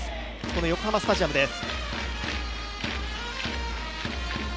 この横浜スタジアムです。